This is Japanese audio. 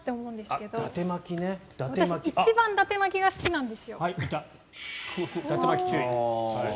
私、一番だて巻きが好きなんですよ。